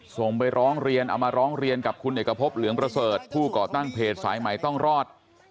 ส่งไปร้องเรียนเอามาร้องเรียนกับคุณเอกพบเหลืองประเสริฐผู้ก่อตั้งเพจสายใหม่ต้องรอด